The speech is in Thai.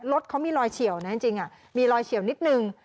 รถเขามีรอยเฉียวนะจริงมีรอยเฉียวนิดนึง